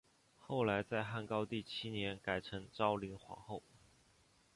后来在汉高帝七年改称昭灵皇后。